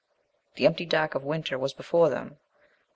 The empty dark of winter was before them.